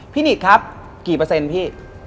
หนิดครับกี่เปอร์เซ็นต์พี่